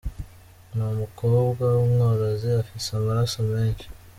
Ni umukobwa w'umworozi afise amararo menshi.